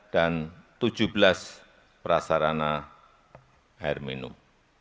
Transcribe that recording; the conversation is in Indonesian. dan tujuh belas prasarana air minum